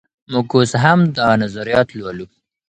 موږ اوس هم د هغه نظريات لولو.